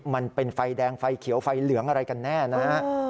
มันเป็นไฟแดงไฟเขียวไฟเหลืองอะไรกันแน่นะฮะ